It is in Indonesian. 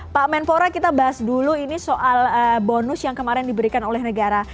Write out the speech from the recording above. pak menpora kita bahas dulu ini soal bonus yang kemarin diberikan oleh negara